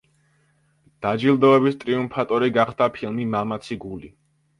დაჯილდოების ტრიუმფატორი გახდა ფილმი „მამაცი გული“.